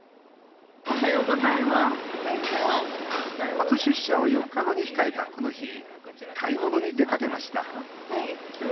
初出社を４日後に控えたこの日買い物に出かけました今日は？